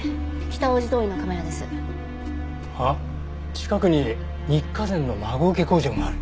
近くにニッカデンの孫請け工場がある。